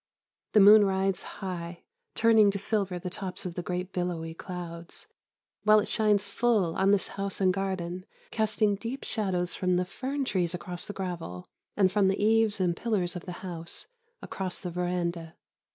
The moon rides high, turning to silver the tops of the great billowy clouds, while it shines full on this house and garden, casting deep shadows from the fern trees across the gravel, and, from the eaves and pillars of the house, across the verandah.